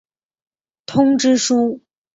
通知书。